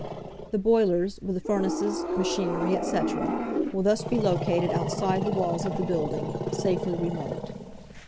The boilers, with the furnaces, machinery, &c., will thus be located outside the walls of the building safely remote.